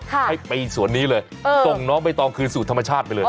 ให้ไปสวนนี้เลยส่งน้องใบตองคืนสู่ธรรมชาติไปเลย